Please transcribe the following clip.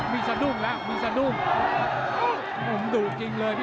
เผ่าฝั่งโขงหมดยก๒